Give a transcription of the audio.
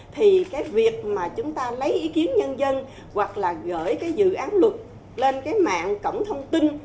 thì cái việc mà chúng ta lấy ý kiến nhân dân hoặc là gửi cái dự án luật lên cái mạng cổng thông tin